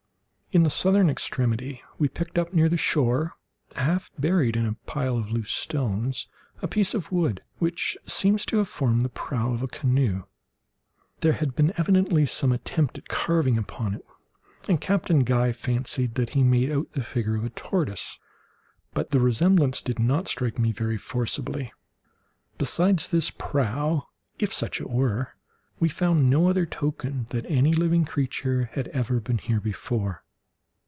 In the southern extremity, we picked up near the shore, half buried in a pile of loose stones, a piece of wood, which seemed to have formed the prow of a canoe. There had been evidently some attempt at carving upon it, and Captain Guy fancied that he made out the figure of a tortoise, but the resemblance did not strike me very forcibly. Besides this prow, if such it were, we found no other token that any living creature had ever been here before.